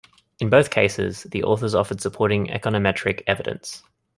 In both cases, the authors offered supporting econometric evidence.